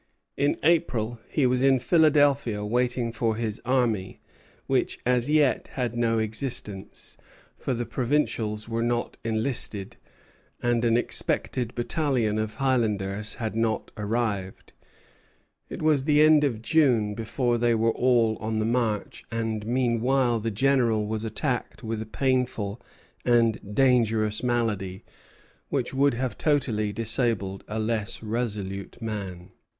In April he was in Philadelphia waiting for his army, which as yet had no existence; for the provincials were not enlisted, and an expected battalion of Highlanders had not arrived. It was the end of June before they were all on the march; and meanwhile the General was attacked with a painful and dangerous malady, which would have totally disabled a less resolute man.